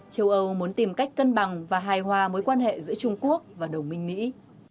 châu âu muốn tìm cách cân bằng và hài hòa mối quan hệ giữa trung quốc và đồng minh mỹ